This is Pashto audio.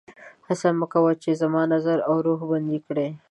هڅه مه کوه چې زما نظر او روح بندي کړي